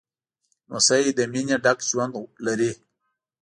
لمسی له مینې ډک ژوند لري.